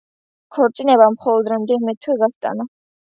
ქორწინებამ მხოლოდ რამდენიმე თვეს გასტანა.